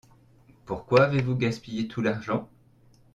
Pourquoi avez-vous gaspillé tout l'argent.